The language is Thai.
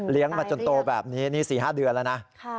เลี้ยงมาจนโตแบบนี้๔๕เดือนแล้วนะ